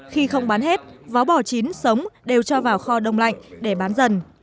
khi không bán hết vó bò chín sống đều cho vào kho đông lạnh để bán dần